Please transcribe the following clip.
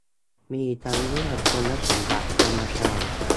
มีทั้งเรื่องคุณสมบัติกรรมการ